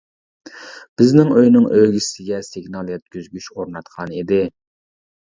بىزنىڭ ئۆينىڭ ئۆگزىسىگە سىگنال يەتكۈزگۈچ ئورناتقان ئىدى.